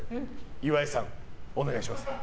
岩井さん、お願いします。